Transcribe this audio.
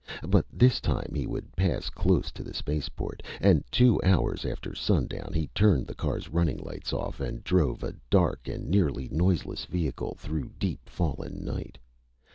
But this time he would pass close to the spaceport. And two hours after sundown he turned the car's running lights off and drove a dark and nearly noiseless vehicle through deep fallen night.